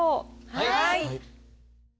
はい！